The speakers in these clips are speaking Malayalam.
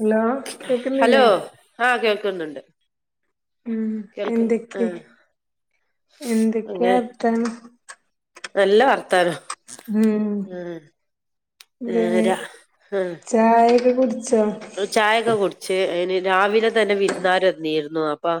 ഹലോ കേക്കുന്നില്ലേ ഹലോ ആഹ് കേൾക്കുന്നുണ്ട് ഉം കേൾക്ക് എന്തൊക്കെ ആഹ് എന്തൊക്കെയാ അങ്ങനെ വർത്താനം നല്ല വർത്താനം ഉം ഏ വേ ആഹ് [unintelligible] ചായൊക്കെ കുടിച്ചോ ചായയൊക്കെ കുടിച്ച് അന് രാവിലെ തന്നെ വിരുന്നാരന്നീരുന്നു അപ്പ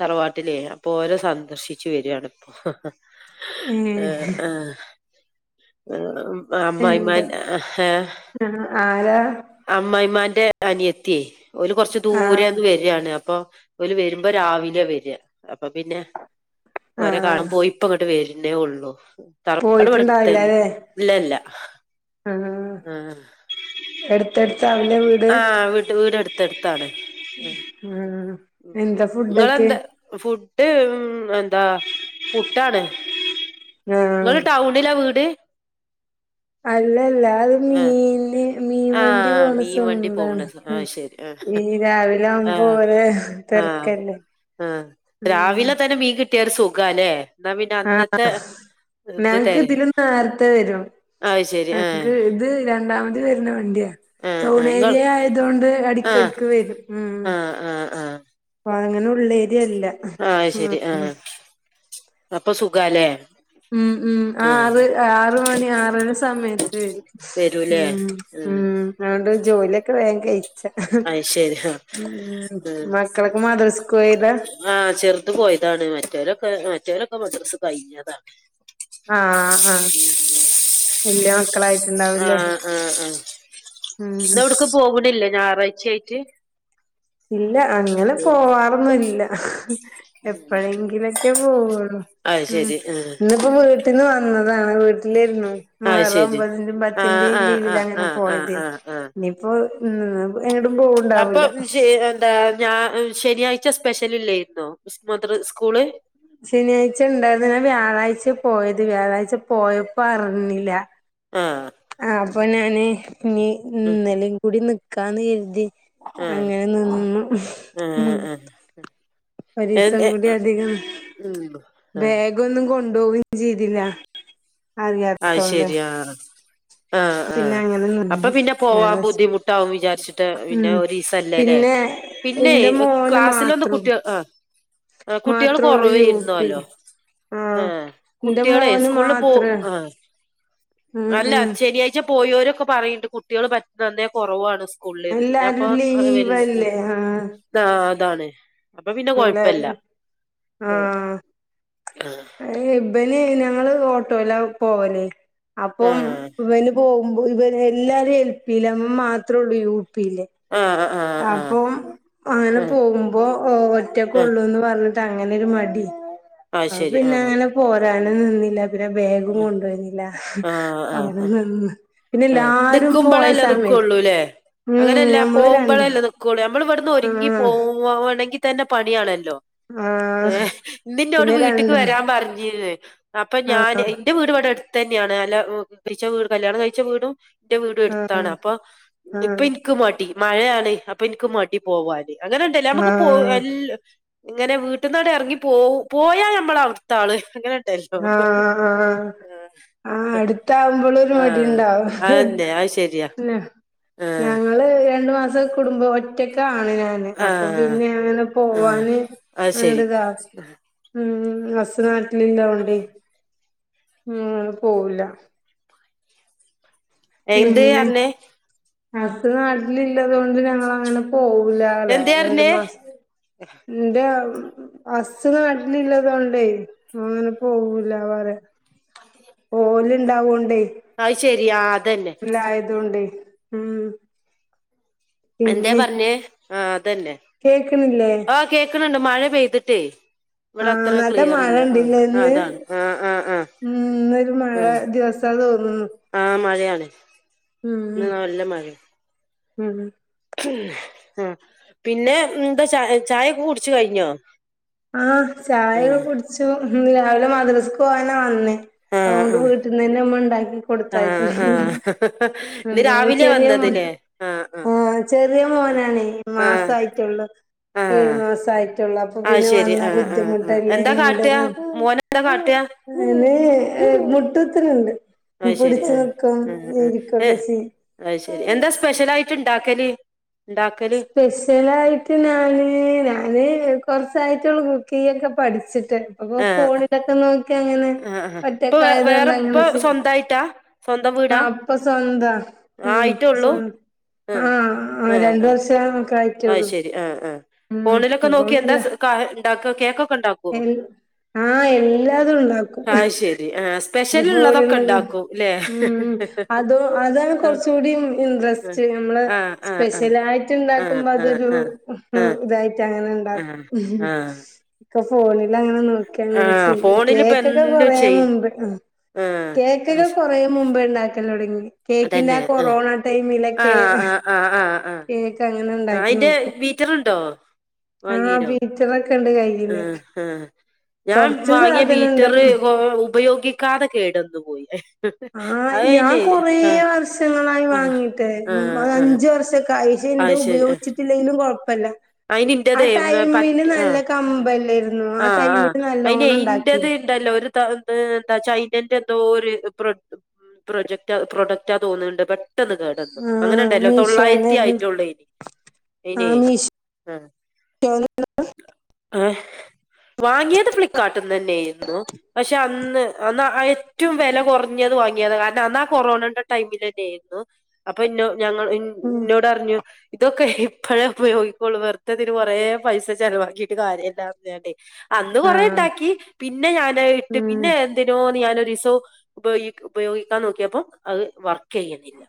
തറവാട്ടിലേ അപ്പൊ ഓരോ സന്ദർശിച്ചു വരാണിപ്പോ ഏ ഏഹ് ആ ആ എന്താ അമ്മായിമാൻഹ ആഹ് ആരാ അമ്മ്മമായിമാ അനിയ ഒരുര് കുറച്ച് ദൂരെ ആഹ് ഒന്ന് വരിയാണ് അപ്പൊ ഒരുല് വരുമ്പോ രാവിലെ വരിക അപ്പൊ പിന്നെ ഓര ആഹ് കാണുമ്പോയി ഇപ്പ ഇങ്ങോട്ട് വര പിന്നെ ഉള്ളൂ തറവട് എടുത്തനെ ഇല്ലല്ല ആഹ എടുത്തെടുത്ത് ആഹ വീട്ട വീടെടുത്ത്ടുത്താണ് ആ ആഹ് എന്താ ഫുഡൊക്കെ നിങ്ങെന്താ ഫുഡ് ട്ട് എന്താ പുട്ടാണ് ആഹ് നിങ്ങള് ടൗണിലാ വീട് അ ല്ല ആ മീന് മീൻ ആ വണ്ടി പോണ മീൻ വണ്ടി പോകണത് ആ സന്നതാണ് ശരി ആ രാവിലൊവവുമ്പോര തെർക്കല്ലേ ആഹ രാവിലെ തന്നെ മീൻ കിട്ടിയ ഒരു സുഖ അല്ലേ എന്നാ പിന്നെ ആഹ് അന്നത്തെ ഇത് ഞങ്ങക്ക് തരെ ഇതിലൊന്ന് വർത്ത വരും അത് ശരി ആ ങ്ങക്ക് ഇത് രണ്ടാമത് വരുന്ന വണ്ടിയാണ് ആ ആ ടൗൺ നിങ്ങൾ ഏരിയ ആയത കൊണ്ട് ആ അടിക്കടുക്ക് വരും ആഹ് ആഹ് ആഹ് ഉ അ അങ്ങനെ ഉള്ളേരിയല്ല ആഹ് അത് ശരി ആഹ് അപ്പൊ സുഖല്ലേ ഉം ഉ ആറ് ആറ മണി ആറര സമയത്ത് വരും വരൂലേ ഉ ഉം അതുകൊണ്ട് ജോലിയൊക്കെ വേങ്കായി അയ് ശരി ആഹ് ഉ ഉം മക്കക്ക് മാതരി സ്കൂ ഇതാ ഏതാണ് മറ്റവരൊക്കെ മറ്റവരൊക്കെ മദ്രസ് കഴിഞ്ഞതാണ് ആഹ ആഹ എല്ല ആഹ ആഹ് ആ ഉം ഇത് എവിടക്ക പോകണില്ല ഞായറാഴ്ച ആായിട്ട് ഇല്ല അങ്ങനെ പോവാറന്നല്ല എപ്പോഴെങ്കിലൊക്കെ പോവുള്ളു അയ് ഉം ശരി ആഹ് ഇന്നിപ്പോ മുീട്ടിന്ന് അത വീട്ടിലിരുന്നു അയ് വേറെ ശരി ഒമ്പതിന്റെയും ആഹ് പത്തിന്റെയും ആഹ് ലീവില ആഹ് അങ്ങനെ ആഹ് ആഹ് പോയത് ആഹ് ആഹ് ഇനിയിപ്പോൊ എങ്ങോട്ടും അപ്പൊ പോവണ്ടാവൂല ശെ എന്താ ഞാ ശനിയാഴ്ച സ്പെഷ്യൽ ഇല്ലായിുന്നോ മതിർ സ്കൂള് ശനിയാഴ്ച ഉണ്ടായിുന്നാ വ്യാഴാഴ്ച പോയത് വ്യാഴാഴ്ച പോയപ്പോ അറിഞ്ഞില്ല ആഹ് ആ അപ്പൊ ഞാന് ഇീ ആഹ് ഇന്നലും കൂടി നിക്കാന്ന് കരുതി ആഹ് അങ്ങനെ നിന്ന ആഹ് ആഹ് പരീസം എ കൂടി അധികം ഉം ആഹ് ബാഗൊന്നും കൊണ്ടുപോകയും ചെയ്തില്ല അ അറിയാത്തോണ്ട് ശെരിയ ആഹ ആഹ പിന്നെ അങ്ങനെ അപ്പൊ നിന്ന് പിന്നെ പോവാൻ അങ്ങനെ ബുദ്ധിമുട്ടാവും വിചാരിച്ചിട്ട് പിന്നെ ഉം ഒരു ഈസല്ലേ അല്ലേ പിന്നെ പിന്നെ എന്റെ മോന് ക്ലാസ്സിലൊന്ന് മാത്രം കുട്ടിക ആ ആ കുട്ടികൾ മാത്രള്ളൂ കൊറവ് യു പിൽ ഇരുന്നല്ലോ ആ ആഹ് എന്റെ കുട്ടികളെ മോന് സ്കൂളിൽ പോ മാത്രേ ആ ഉം അല്ല ഉം ശനാഴ്ച്ച പോയ ഒരു ക്കെ പറയണ്ട് കുട്ടികൾ പറ്റുന്ന തന്നെ കുറവാണ് ുള്ളേത് പിന്നെ അപ്പൊ എല്ലാരും വല് ലീവല്ലേ ആഹ് ആ അതാണ് അപ്പൊ പിന്നെ കൊഴപ്പല്ല എല്ലാരും ഏർ ആഹ് ഇബന് ഞങ്ങള് ഓട്ടോല്ല പോവല്ലേ അപ്പം ആഹ് ഇബന് പോക ഇവരെ എല്ലാരും എൽ പില്ല അമ്മ മാത്രമേ ഉള്ളൂ യു പില്ലേ ആഹ് ആഹ് ആഹ് അപ്പൊ അങ്ങനെ ആഹ് പോകുമ്പോ ഒറ്റക്ക ആഹ് ഉള്ളൂന്ന് പറഞ്ഞ അങ്ങനെ ഒരു മടി അത് ശരി പിന്നെ ആഹ് അങ്ങനെ പോരാന നിന്നില്ല പിെ ബേഗം ആഹ് കൊണ്ടുവരുന്നില്ല ആഹ് ആഹ് അങ്ങനെൊന്നുംന്ന് പിന്നെ ആഹ് എല്ലാരും പോയ നിക്കുമ്പളല്ലേ സമീൻ നിക്കുള്ളൂല്ലേ അങ്ങനെയല്ല പോകുമ്പോഴല്ലേ നക്കുള്ളൂ നമ്മൾ ഇവിടുന്ന് ഒരുങ്ങി ആഹ് പോണമെങ്കിൽ തന്നെ പണിയാണല്ലോ ഇലോ ആഹ് ഏ ഇന്നിന്നോട് പിന്നെ വീട്ടക്ക് രണ്ട് വരാൻ പറഞ്ഞിരുന്നേ അപ്പൊ ഞാൻ ആഹ് എന്റെ വീട് ഇവിടെ അടുത്ത്ന്നെ ആണ് കഴ വീ കല്യാണം കഴിച്ച വീടും എന്റെ വീട് ആഹ് അടുത്താണ് അപ്പ ഇപ്പൊ ആഹ് എനിക്ക് മടി മഴയാണ് അപ്പൊ എനിക്ക് മടി പോവാൻ അങ്ങനെ ഉണ്ടല്ലേ നമുക്ക് പോ എ ആഹ് ഇങ്ങനെ വീട്ടന്നോടെ ഇറങ്ങി പോ പോയാ നമ്മള അടുത്ത ആള് അങ്ങനെ ഉണ്ടല്ലോ ആ ആഹ് ആ അടുത്ത ആവുമ്പോൾരു മടി ആഹ് ഉണ്ടാവ അതന്നെ അത് ശരിയാ വും ആഹ് ഞങ്ങള് രണ്ട് മാസം കുടുപോ ഒറ്റക്ക ഞൻ അപ്പൊ ആഹ് പിന്നെ അങ്ങനെ ആഹ് പോവാാന് അത് ശരി [unintelligible] ഉം ഹ്സ് നാട്ടിൽ ള്ളത്കൊണ്ട് ഉം പോവൂല എന്തേ പിന്നെ അർഞ്ഞേ ഹസ് നാട്ടില് ഇല്ലത് കൊണ്ട് ഞങ്ങളങ്ങനെ പോകൂല എന്തേ രണ്ട് പറഞ്ഞേ മാസം ന്റെ ഹസ് നാട്ടിലില്ലതോണ്ട് അങ്ങനെ പോവൂല്ല പറ ഓല് ഉണ്ടാവോണ്ടേ അഹ് ശരിയാ അല്ലായതുകൊണ്ട് ഉം എന്താ പിന്നെ പറഞ്ഞേ ആഹ് അതന്നെ കേക്കണില്ലേ ആഹ് കേക്കണണ്ട് മഴ പെയ്തിട്ടേ ഇവിടെ ആഹ് അത്ര നല്ല മഴ ക്ലിയർല്ല ആഹ് ഇണ്ടില്ലേ ഇന്ന് അതാണ് ആഹ് ആഹ് ആഹ് ഉം ഇന്നൊരു മഴ ദിവസാ തോന്നുന്നു ആഹ് മഴയാണ് ഉം ഇന്ന് ഉം നല്ല മഴയാ ഉം ആഹ് പിന്നെ എന്താ ച ചായൊക്കെ കുടിച്ചു കഴിഞ്ഞോ ആഹാ ചായ ആ ഒക്കെ കുടിച്ചു രാവിലെ മദ്രസക്ക് പോകാനാ വന്നേ ആ അതുകൊണ്ട് ആ വീട്ടിൽന്ന് തന്നെ നമ്മ ഉണ്ടാക്കി ആ ആ കൊടുത്തായിരുന്നു ഇന്ന് [unintelligible] രാവിലെ ചെറിയ വന്നതില്ലേ ചേ ആ ചെറിയ മോനാണ് ആ മാസയിട്ടുള്ളൂ ആ ഏഴു ആ മാസയിട്ടുള്ളൂ അപ്പൊ അപ്പൊ ആഹ് പിന്നെ ശരി വന്ന ആഹ് ആഹ് ആഹ് ബുദ്ധിമുട്ടല്ലേ എന്താ കാട്ടാ [unintelligible] മോനെന്താ കാട്ടാ ആഹ് മുട്ട്ത്ത്ണണ്ട് അഹ് ശരി ആഹ് ആഹ് ഇരിക്കൊക്കെ അഹ് ശരി എന്താ ചെയ്യും സ്പെഷ്യല ആയിട്ട് ഉണ്ട ക്കല് സ്പെഷ്യല ആയിട്ട് നാന് നാന് കൊറച്ച് കുക്കി ഒക്കെ പഠിച്ചിട്ട് ആഹ് ഫോണിലൊക്കെ നോക്കിങ്ങന ആഹ് ആഹ് ഇപ്പൊ ഒറ്റക്ക് വേ- ആയത് കൊണ്ട് വേറെ അങ്ങനെ ഇപ്പൊ ചെയ് സ്വന്തായിട്ടാ സ്വന്തം വീടാ ആഹ് ഇപ്പൊ സ്വന്താ ഉം ആയിട്ടൊള്ളൂ ആഹ് ആഹ് രണ്ട് വർഷം ഒക്കെ ആഹ് ആയിട്ടേള്ളൂ ശെരി ആഹ് ആഹ് ഉം ഫോണിലൊക്കെ നോക്കി എന്താ ഉണ്ടാക്ക കേക്കൊ ഏഹ് ആഹ് എല്ലാതും ഉണ്ടാക്കും അത് ശരി ആഹ് സ്പെഷ്യൽ ഗുള്ള ഇള്ളതൊക്കെ [unintelligible] ഇണ്ടാക്കും ല്ലേ ഉ അതോ അതാണ് ആഹ് കൊറച്ചുകൂടി ഇൻട്രസ്റ്റ് നിങ്ങള് ആഹ് ആഹ് ആഹ് സ്പെഷ്യലായിട്ട് ആഹ് ഉണ്ടാക്കുമ്പോ അതൊരു ആഹ് ആഹ് ഇതായിട്ട് അങ്ങനെ ആഹ് ഉണ്ടാക്കും ആഹ് ആഹ് ആഹ് ഇപ്പ ഫോണ് എല്ലാ അങ്ങനെ നോക്കി അങ്ങനെ ആഹ് ചെയ്യും ഫോണിലിപ്പ കേക്കൊക്കെ എന്തും കൊറേ ചെയ്യും മുമ്പ് ആഹ് ആഹ് കേക്കൊക്കെ അശ് കൊറേ മുമ്പ് ഇണ്ടാക്കല് തുടങ്ങി കേക്കിന്റെ അതന്നെ ആഹ് കൊറോണ ടൈം മിലക്കെ ക്ക ആഹി അതിന്റെ ബീറ്ററുണ്ടോ ആഹ് വാങ്ങീനോ ബീറ്ററൊക്കെ ഉണ്ട് കൈ ആഹ് ആഹ് ഞാൻ വാങ്ങിയ സാധനം ബീറ്ററ് ഉണ്ട് ക് ഉപ്പ് ഉപയോഗിക്കാതെ കേടുവന്നു പോയി ആഹ് അത് ഞാൻ അയിനെ കൊറ ആഹ് വർഷങ്ങളായി ആഹ് വാങ്ങീട്ട് ആഹ് അത് ആഹ് അഞ്ച വർഷയൊക്കെ ആയി ഇണ്ട് അത് ശരി ആഹ് ഉപയോഗിച്ചിട്ടില്ലങ്കിലും കൊഴ- അയിന് എന്റേതെ പ് അം നല്ല ആഹ് കമ്പല്ലായിരുന്നു ആ ആഹ് ആഹ് ടൈമില് അയിന് നല്ലോണം എന്റേത് ഉണ്ടാക്കിരുന്നു ണ്ടല്ലോ ഒരു എന്താ ചൈനേന്റെ എന്തോ ഒരു പ്രൊ പ്രൊജക്റ്റ് പ്രൊഡക്റ്റാ തോന്നുന്നുണ്ട് ബട്ട്- പെട്ടെന്ന് കേട് വന്നു ആഹ് അങ്ങനെയൊണ്ടല്ലോ തൊള്ളായിരത്തി മീഷോന്നായിരുന്നു ആയിട്ടോള്ളെ ഇനി ഇന ആഹ് [unintelligible] ഏഹ് വാങ്ങിയത് ഫ്ലിപ്കാർട്ടീന്ന് തന്നെയായിരുന്നു പക്ഷെ അന്ന് ഏറ്റവും വില കുറഞ്ഞത് വാങ്ങിയത് കാരണം അന്നാ കൊറോണന്റെ ടൈമിൽ തന്നെയായിരുന്നു അപ്പൊ ഇന്നോ ഞങ്ങൾ ഉം എന്നോടറിഞ്ഞു ഇതൊക്കെ എപ്പഴാ ഉപയോഗി കുളു വറത്തതിന് കൊറേ പൈസ ചെലവാക്കീട്ട് കാര്യമില്ലാന്ന് പറഞ്ഞോണ്ടേ അന്ന് കൊറെേ ആഹ് ഉണ്ടാക്കി പിന്നെ ഞാൻ ഇട്ട് ഉം പിന്നെ എന്തിനോ ഞാന സീസോ ഉപയോഗിക്ക്‌ ഉപയോഗിക്കാൻ നോക്കിയപ്പോ അത് വർ ക്കണില്ല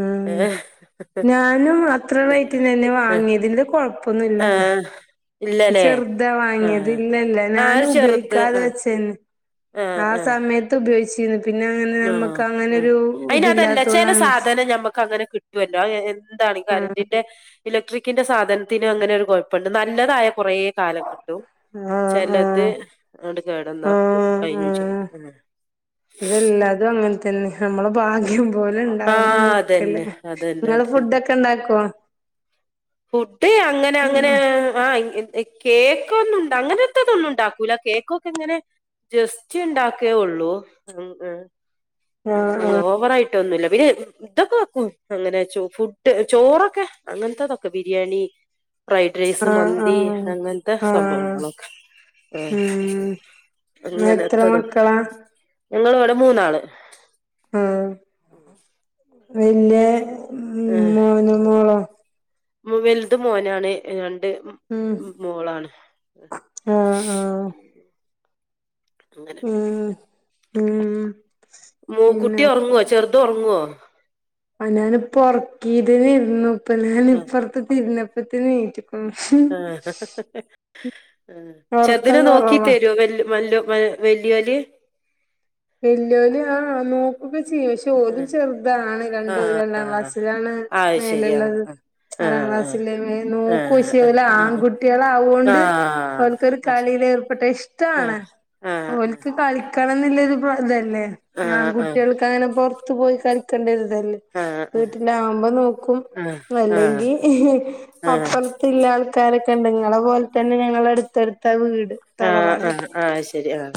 ഉം ഏഹ് അങ്ങനെ വാങ്ങിയതിന്റെ കൊഴപ്പൊന്നുല്ല ആഹ് ഇല്ലല്ലേ ചെറുതാ വാങ്ങിയത് ആഹ് ഇല്ലല്ല ആഹ് ഒരു ഞാനും ചെറുത് ഉപയോഗിക്കാതെ ആഹ് വെച്ചേന് ആഹ് സമയത്ത ഉപയോഗിച്ചിരുന്ന് ആഹ് ആഹ് അയിന് അതല്ല ചില ഇതില്ലാത്തോണ്ടാണ് സാധനം ഞമ്മക്ക് അങ്ങനെ കിട്ടുവല്ലോ അത് എന്താണ ആഹ് കറന്റിന്റെ ഇലക്ട്രിക്കിന്റെ സാധനത്തിനും അങ്ങനെയൊരു കുഴപ്പുണ്ട് നല്ലതായ കുറേ കാലം കിട്ടും ആഹ് ചെലത് അവിടെ കെടന്നാ കഴിഞ്ഞും ചെയ്ത് ഉം അതല്ല അതും അങ്ങനെ തന്നെ നമ്മളെ ഭാഗ്യം അത്പോലെ ഇണ്ടാവും ആഹ് നിക്കല് അതന്നെ അതന്നെ നിങ്ങള് ഫുഡ് അതന്നെ ഒക്കെ ഇണ്ടാക്കുവോ ഫുഡ് അങ്ങനെ അങ്ങനെ ആഹ് എ കേക്ക്‌ ഒന്നും ഉണ്ട് അങ്ങനത്തതൊന്നും ഉണ്ടാക്കൂല കേക്കൊക്കെ ഇങ്ങനെ ജസ്റ്റ്‌ ഇണ്ടാക്കേ ഉള്ളൂ ഉം [unintelligible] ആഹ് അങ്ങ് ആഹ് ഓവറായി ട്ട് ഒന്നുമില്ല പിന്നെ ഇതൊക്കെ വെക്കും അങ്ങനെ ചോ ഫുഡ് ചോറൊക്കെ അങ്ങനത്തെതൊ ക്കെ ബിരിയാണി ഫ്രൈഡ്രെയ്‌സ് ആഹ് മന്തി ആഹ് അങ്ങനത്തെ ആഹ് സംഭവങ്ങളൊക്കെ ആഹ് ഉം എത്ര അങ്ങനെത്തതും മക്കളാ ഞങ്ങള് ഇവിടെ മൂന്നാള് ആഹ് [inaudible] വരില്ലേ ആഹ് വലുത് മോനാണ് രൺ ണ്ട് ഉം മോളാണ് ആഹ് ആഹ് അങ്ങനെ ഉം ഉം മു പിന്നെ കുട്ടി ഉറങ്ങുവോ ചെറുത് ഉറങ്ങുവോ ആഹ് ഞാൻ ഇപ്പം ഉറക്കീതിന് ഇരുന്നു ഇപ്പൊ ഞാൻ ഇപ്പുറത്തെരുന്നപ്പത്തിന് എണീറ്റു ആഹ് ഒറക്കം ചെറുതിനെ നോക്കി കൊറവാ തരുവോ വെല്ല് വെല്ലു വെ വെല്ലിയോല് വെല്ലിയോല് ആഹ് നോക്കും വൊക്കെ ചെയ്യും പക്ഷെ ഓരും ചെറുതാണ് ആ രണ്ടും രണ്ടാം ആ ക്ലാസ്സിലാണ് ആ ശരി ആ മേലുള്ളത് ആ ആറാം ആ ക്ലാസില്ലേ നോക്കും പക്ഷേ ആഹ് ല ആഹ് ആൺകുട്ടികള ആവൂവൊണ്ട് ആഹ് അവർക്കൊരു ആഹ് കളി യിൽ ഏർപ്പെട്ടാൽ ഇഷ്ടാണ് ആഹ് ഓൽക്ക്‌ കളിക്ക എന്നുള്ള ഒര് ഇപ്പം ഇതല്ലേ ആഹ് ആഹ് ആൺകുട്ടികൾക്ക് അങ്ങനെ പൊറത്ത് പോയി കളിക്കേണ്ട ഒര് ഇതല്ലേ ആഹ് വീട്ടില് ആകുമ്പം നോക്കും ആഹ് ആഹ് ആഹ് അല്ലെങ്കി ആഹ് ആഹ് ആഹ് അപ്പുറത്തുള്ള ആൾക്കാരൊ ബന്ധങ്ങളെ പോലെ തന്നെ ഞങ്ങള് അടുത്തടുത്താ വീട് ആഹ് ആഹ് തറവാടൊക്കെ ആഹ് ശരി ആഹ്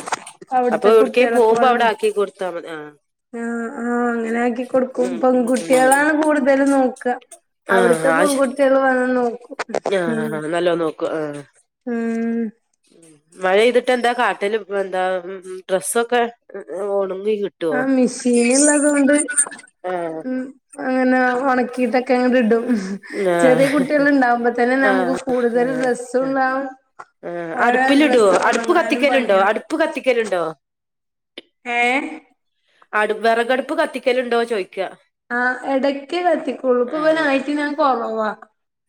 അപ്പൊ അവിടുത്തെ എവിടേക്കും കുട്ടികളൊക്കെ പോകുമ്പോ അവിടെ വന്നു ആക്കി കൊടുത്താൽ മതി ആഹ് ആഹ് ആഹ് അങ്ങനെ ആക്കി കൊടുക്കും ഉം ഉം ഉം ഉം പെൺകുട്ടികളാണ് കൂടുതലും നോക്കുക ആഹ് അവിടുത്തെ അത് ശ പെൺകുട്ടികൾ വന്ന് നോക്കും ഉം ആഹ് നല്ലോന്ന് നോക്കും ആഹ് ഉം മഴെയ്തിട്ട് എന്താ കാട്ടില് എന്താ ഉം ഉം ഡ്രസ്സൊക്കെ ഓടും ആഹ് മെഷീൻ ഇള്ളത് കൊണ്ട് ആഹ് ഉം അങ്ങനെ ഉണക്കിയിട്ടൊക്കെ അങ്ങട് ഇടും. ചെറിയ ആഹ് കുട്ട്യേള്ണ്ടാവുമ്പോ തന്നെ ആഹ് നമുക്ക് കൂടുതൽ ആഹ് റെസ്സു ള്ളാഉ. ആഹ് അടുപ്പിലിടുവോ അടുപ്പ് കത്തിക്കലുണ്ടോ പണിയാവും അടുപ്പ് കത്തിക്കലുണ്ടോ? ഏഹ് അടു വിറകടുപ്പ് കത്തിക്കലുണ്ടോ ചോയ് ആഹ് ഇടക്ക് കത്തിക്കുള്ളു. ഇപ്പം ഇവൻ ആഹ് അയി ഞാൻ കുറവാ.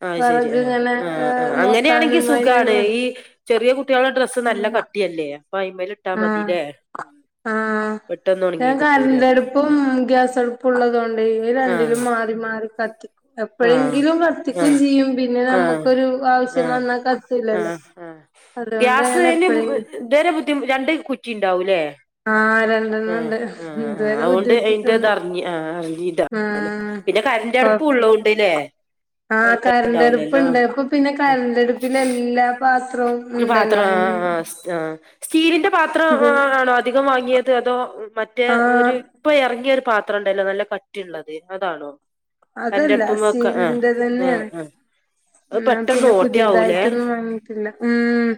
ആഹ് ശരി വിറക് ആഹ് ങ്ങനെ ആഹ് ആഹ് അങ്ങനെയാണെങ്കി നോക്കാനും അയ്നൊരു സുഖാണ് വെ ഈ ചെറിയ കുട്ട്യേളെ ഡ്രസ്സ് നല്ല കട്ടിയെല്ലേ. അപ്പൊ അയിമ്മല് ഇട്ടാ ആഹ് മതില്ലേ. ഉം ആഹ് പെട്ടെന്ന് ഞാൻ ഉണങ്ങി കിട്ടൂലേ കരണ്ടടുപ്പും ഗ്യാസടുപ്പും ഉള്ളതോണ്ട് ആഹ് ഇവരണ്ടിലും മാറി മാറി കത്തി ആഹ് എപ്പഴെങ്കിലും കത്തിക്കും ആഹ് ചെയ്യും. പിന്നെ ആഹ് നമുക്കൊരു ആവശ്യം വന്നാൽ കത്തുലല്ലോ. ഗ്യാസെയ്ന് [unintelligible] ഇതെരെ ബുദ്ധിമു രണ്ട് കുറ്റി ണ്ടാവൂല്ലേ? ആഹ് രണ്ടെണ്ണം ആഹ് ഉണ്ട് ആഹ് ആഹ് ഇതുവരെ അവോണ്ട് ബുദ്ധിമുട്ടിട്ടൊന്നും അയിന്റെതറിഞ് ആഹ് ആഹ് [unintelligible] ആഹ് ന്റെ കൊഴപ്പ കരണ്ടാടുപ്പുള്ളോ ട്ട്ല്ലേ ആഹ് കൊഴപ്പണ്ടാവുലല്ലോ കരണ്ടടുപ്പുണ്ട് ഇപ്പൊ പിന്നെ അഹ് കരണ്ടടുപ്പിൽ എല്ലാ പാത്രവും ന്ന് ഉണ്ടല്ലോ പാത്ര അയിന് അഹ് ആഹ് ആഹ് സ് ആഹ് അഹ് സ്റ്റീലിന്റെ പാത്രം ഇത് ആ ആണോ അധികം വാങ്ങിയത് അതോ മറ്റേ ഒരു ആഹ് ഇപ്പ എറങ്ങിയൊരു പാത്രംണ്ടല്ലോ നല്ല കട്ടിള്ളത് അതാണോ? കരണ്ട് അതല്ല അടുപ്പുമ്മെ വെക്ക ആ സ്റ്റീലിന്റെ ആ തെന്നെയാണ്. ആ അത് ന്നാ പെട്ടെന്ന് പിന്നെ ഓട്ടയാവൂലേ പുതിയതായിട്ടൊന്നും വാങ്ങി ഇല്ല ഉം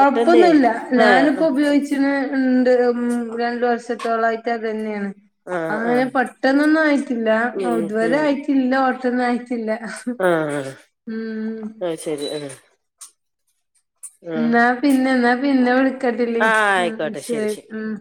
പെട്ടെന്ന് ആ ഞാനിപ്പ ഉപയോഗിച്ചിണ്. ഇണ്ട് ഇൻ രണ്ട് വർഷത്തോളായിട്ട് അതെന്നെണ്. ആ ആ ആഹ് ആ ഞാൻ പെട്ടെന്നൊന്നായിട്ടില്ല ഉം അത് വരെ ഉം ആയിട്ടില്ല ഓട്ടന്നായി ത്തില്ല ആ ആ ഉം അത് ശരി ആ ആ ന്നാ പിന്നെ ന്നാ പിന്നെ വിളിക്കട്ടെല്ലി ആ ആഹ് ആയിക്കോട്ടെ ശരി ശെരി ശരി ആഹ്